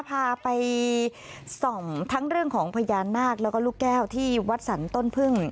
พาไปส่องทั้งเรื่องของพญานาคแล้วก็ลูกแก้วที่วัดสรรต้นพึ่ง